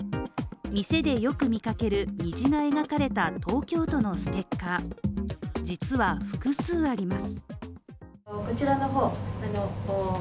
店でよく見かける虹が描かれた東京都のステッカー、実は複数あります。